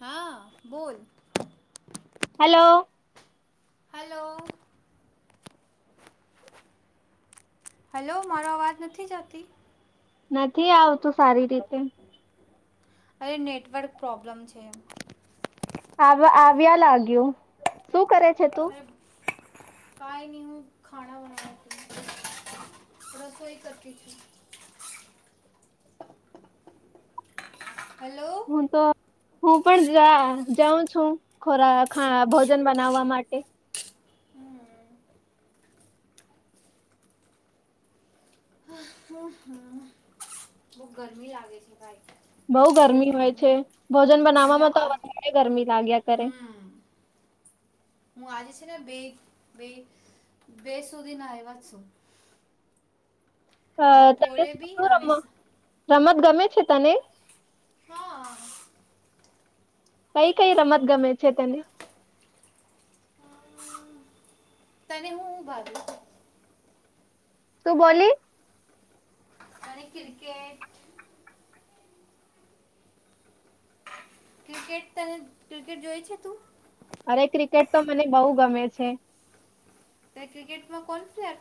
હા બોલ. Hello. Hello hello મારો અવાજ નથી જતી? નથી આવતું સારી રીતે. અરે નેટવર્ક પ્રોબ્લમ છે. આવ્યા લાગ્યું શું કરે છે. [unintelligible] કઈ નહી હું ખાણા બનાવથી રસોઈ કરતી છે. [unintelligible] હું તો હું પણ જાઉં છું ખોરા અ ભોજન બનાવવા માટે. હમ્મ હું બઉ ગરમી લાગે છે ભાઈ. બઉ ગરમી હોય છે ભોજન હા મેં બનાવામાં તો આ વધારે ગરમી લાગ્યા કરે. હમ હું આજે બે બે બે સુધી ના આયવા હ તને સ- રમ ગમે છે તને? હા. કઈ કઈ રમત ગમે છે તને? તને હું ભાવે? શું બોલી? અને ક્રિકેટ. ક્રિકેટ તને ક્રિકેટ જોય છે તું? અરે ક્રિકેટ તો મને બહુ ગમે છે. તે ક્રિકેટમાં કોણ પ્લેર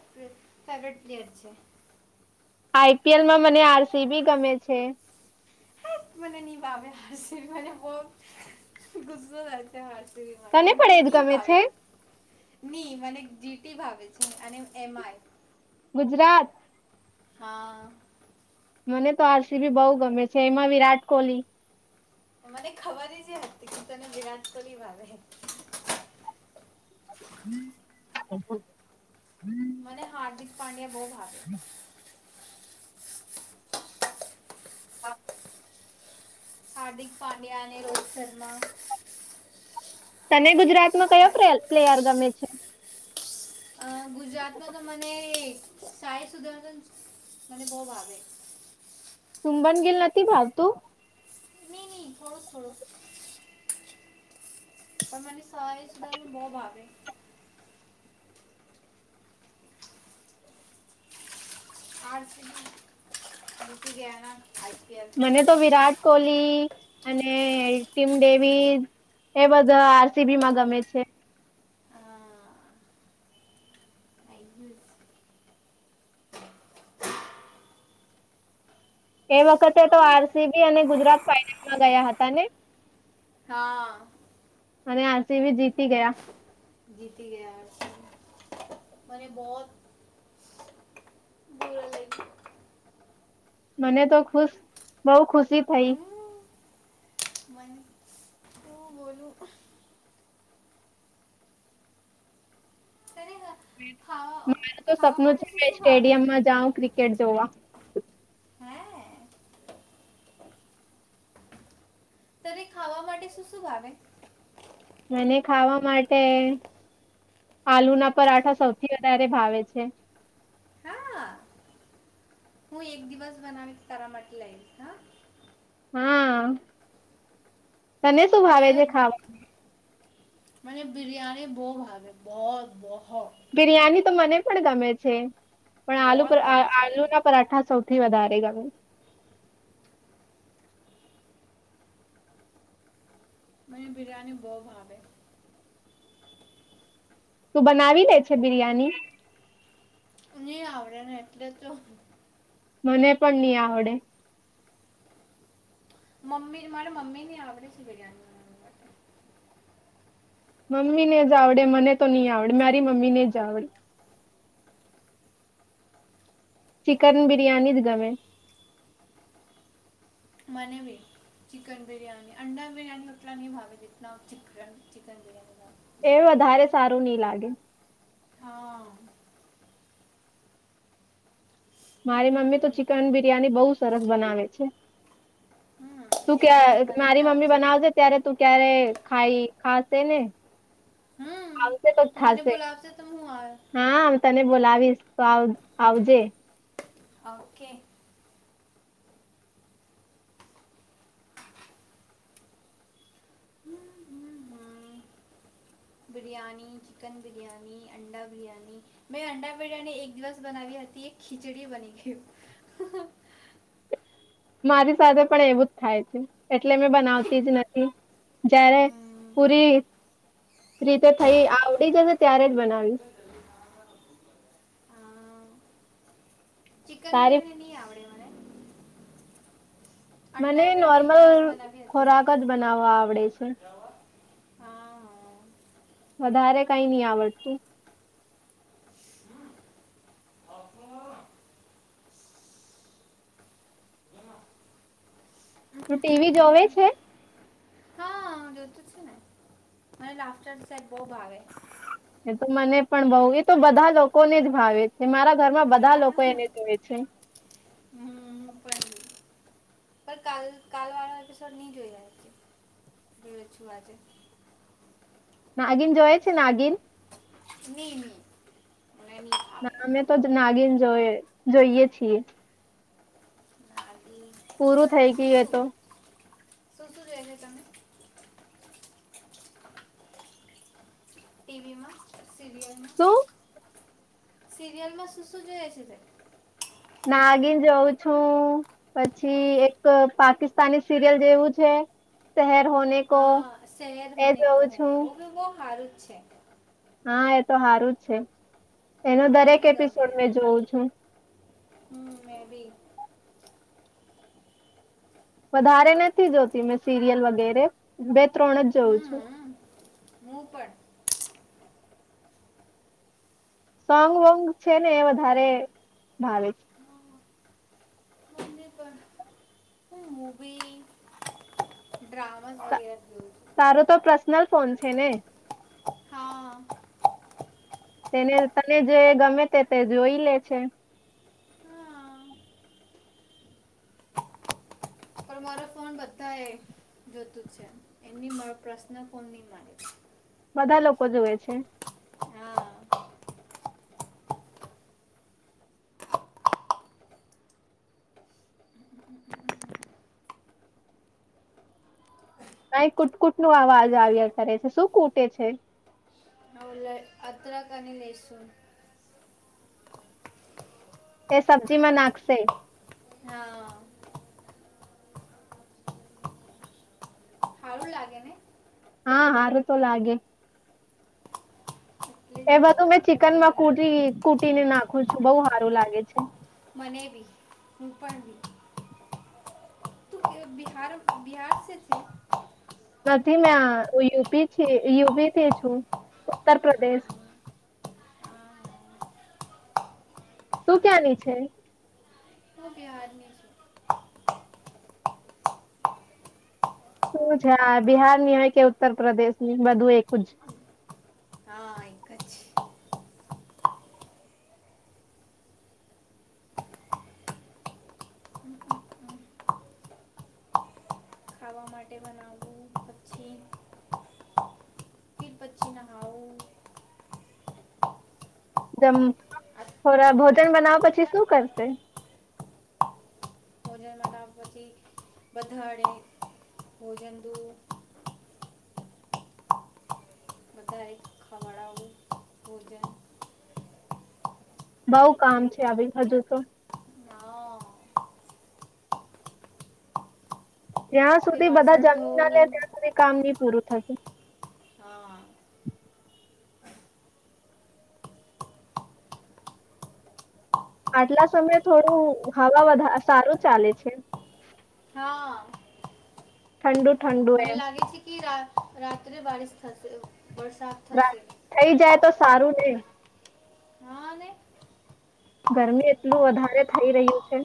ફેવરેટ પ્લેયર છે? આઈપીએલમાં મને આરસી બી ગમે છે. [unintelligible] માટે ની તને પણ એજ ગમે ભાવે. છે ની મને જીટી ભાવે છે અને એમ આઈ. ગુજરાત. હા. મને તો આરસી બી બહુ ગમે છે એમાં વિરાટ કોહલી મને ખબર જ હતી કે તને વિરાટ કોહલી ભાવે. હમ્મ [unintelligible] મને હાર્દિક પાંડ્યા બઉ [inaudible] [inaudible] હાર્દિક પાંડ્યા અને રોહિત શર્મા તને ગુજરાતમાં કયો પ્લેયર ગમે છે. ગુજરાતમાં તો મને એક સાહે સુધાશન મને બઉ ભાવે. શુબન ગીલ નથી ભાવતું. નહી નહી ફરસ ફરસ પણ મ સાહેસદલ બહ ભાવેે. આર સી બી મને તો વિરાટ કોહલી અને ટીમ ડેવી એ બધા આરસીબી માં ગમે છે. એ વખતે તો આરસીબી અને ગુજરાત ફાઈનલમાં ગયા હતા ને. હા અને આસી બી જીતી ગયા. જીતી ગયા મને બઉ મને તો ખુશ બઉ ખુશી થઈ. [inaudible] બોલું [inaudible] ખાવા મારા તો ખાવા માટે શું શું સ ભાવે સ્ટેડિયમ માં જાઉં ક્રિકેટ જોવા હે ત્યારે ખાવા માટે શું શું ભાવે મને ખાવા માટે આલુ ના પરાઠા સૌથી વધારે ભાવે છે. હા હું એક દિવસ બનાવી કર મટ હા. હા. તને શું ભાવે છે ખાવાનું. મ બિરિયાની બહ ભાગે બહત બહ બિરિયાની તો મને પણ ગમે છે. પણ બહુ આલુ ગમે છે આલુ મને ના પરાઠા સૌથી થી વધારે ગમે. મને બિરિયાની બહુ ભાવે છે. તું બનાવી દે છે બિરિયાની. નહી આવડેને એટલે તો મને પણ નહી આવડે. મમ્મી મારે મમી ની આવરેજ બિરિયાનીનાની માટે મમ્મી ને જ આવડે મને તો નહી આવડે મારી મમ્મીને જ આવડે. ચિકન બિરિયાની જ ગમે. મને ભી ચિકન બિરિયાની અંડા બિરની ઉતના ન ભાવે જિત ચિકન ચિકન બિરિયાની ભાવ એ વધારે સારું નઈ લાગે. હા. મારી મમ્મી તો ચિકન બિરિયાની બહુ સરસ બનાવે છે. હમ તું ક એક દિવસ મને મારી બી મમ્મી આપજે બનાવજે ત્યારે તું ક્યારે. ખાઈ ખાશે ને હમ તો તું મને થશે બોલાવશે તો હું આવે હા તને બોલાવીશ તો આવ આવજે ઓકે હમ બિરિયાની ચિકન બિરિયાની અંડા બિરિયાની મેં અંડા બિરિયાની એક દિવસ બનાવી હતી એક ખીચડી બની ગય મારી સાથે પણ એવું જ થાય છે એટલે મેં બનાવતી જ નથી જય્યારે હમ. પૂરી રીતે થઈ આવડી જશે ત્યારે જ બનાવીશ અમ, ચિકન તારી બિરયાની નહીં આવડે મને મને અંડા બિરયાની એક દિવસ નોર્મલ બનાવી હતી ખોરાક જ બનાવવા આવડે છે હા હ વધારે કઈ નહી આવડતું તું ટીવી જોવે છે જો છે ને લાફ્ટર સેફ બોવ ભાવે એ તો મને પણ બઉ એ તો બધા લોકોને જ ભાવે છે મારા ઘરમાં બધા હા, લોકો એને જોવે છે હમ, પણ પણ કાલ વાળો એપિસોડ નહી જોઈ છું આજે નાગીન જોય છે નાગીન નાગિન ના અમે તો જ નાગીન જોય જોઈયે છીએ નાલી પૂરું આ થઈ શું ગયું એ શું તો શું શું જોઈએ છે તમને ટીવીમાં શું સિરિયલ માં શું શું જોય છે તે નાગીન જોઉં છું પછી એક પાકિસ્તાની સિરિયલ જેવું છે શહેર હોનેકો હા શહેર હોને કો હૈ ઓ હાર છે હા એ તો સારું જ છે એનો મને દરેક બી ગમે એપિસોડ એમ મેં જોઉું છું હમ મે બી વધારે નથી જોતી મે સીરિયલ વગેરે ત્રણ જ જઉં છું મૂ પણર સોંગ વોંગ છે ને એ વધારે ભાવે છે હ મુવી ડ્રામા તા- વગેરે લ તારો તો પર્સનલ ફોન છે ને હા તેને તને જે ગમે તે તે જોઈ લે છે હા પણ મારો ફોન બધા એ જોતું જ છે એની પ્રશ્ન ફોન ની મારે બધા લોકો જોુવે છે હા અ કુટકુટ નું અવાજ આવ્યા કરે છે શું કૂટે છે હવે લ- અદરક અને લેસુન એ સબ્જી માં નાખશે હા હાળું લાગે ને હા હારું તો લાગે એટલે જ એ હું બધું મેં કૂટીને ચિકનમાં નાખું કૂટીને નાખું છું બહુ સારું લાગે છે મને બી હું પણ બી તો બિહાર બિહાર છે નથી મે યુપી યુપીથી છું ઉત્તર પ્રદેશ શું ક્યાંની છે હું બિહારની છું શું છે આ બિહારની હોય કે ઉત્તર પ્રદેશની બધું એકું જ હા એક છે હમ, ખાવા માટે બનાવું પછી તે પછી નહાવું જેમ આ થોરા ભોજન બનાવ પછી શું કરશે ભોજનમાંતા પછી બધાડે ભોજન દું બધા ખવાડાવું ભોજન બઉ કામ છે આવી હજુ તો ના ત્યાં તે સુધી બધા વાસણ જમીન ના લે ધોવું ત્યાં સુધી કામ ની પૂરું થશે હા આટલા સમય થોડું હવા વધુ સારું ચાલે છે હા [inaudible] ઠંડો મને લાગે છે કે કેટલી બારીશ થશે વરસાદ વા થશે થઈ જાય તો સારું ને [inaudible] ગરમી એટલું વધારે થઈ રહ્યું છે.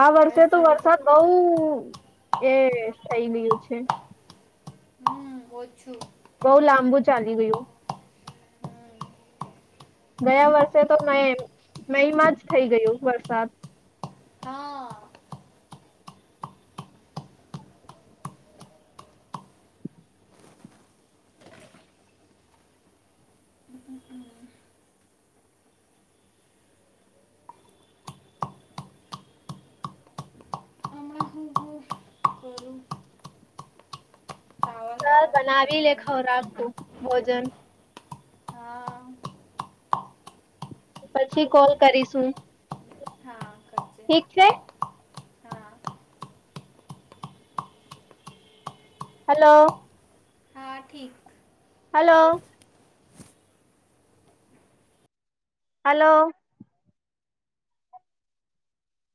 આ વર્ષે બારિશ તો થશે વરસાદ બઉ એ થઈ ગયું છે. હમ ઓછું બઉ લાંબુ ચાલી ગયું. હમ. ગયા પિછલી વર્ષે તો મે મેઈમાં જ થઇ ગયું વરસાદ હા હમણાં હું હું કરું ચાવલ ચાલ માટે બનાવી લે બનાવવાનું ખોરાક છે તુ ભોજન હા પછી કોલ કરીશું. હા કરજે ઠીક છે. હા હલો હા ઠીક હલો હલો